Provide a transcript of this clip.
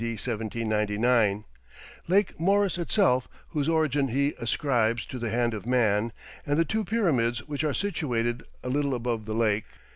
D. 1799), Lake Moeris itself, whose origin he ascribes to the hand of man, and the two Pyramids which are situated a little above the lake.